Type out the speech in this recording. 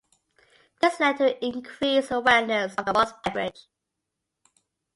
This led to an increased awareness of the once-popular beverage.